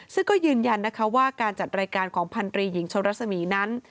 ซึ่งก็ยืนยันนะคะว่าการจัดรายการของพันธรีหญิงชนรัศมีนั้น